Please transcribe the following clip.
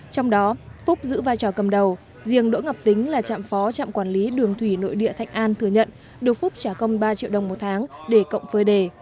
trong đó phúc giữ vai trò cầm đầu riêng đỗ ngọc tính là trạm phó trạm quản lý đường thủy nội địa thạch an thừa nhận được phúc trả công ba triệu đồng một tháng để cộng phơi đề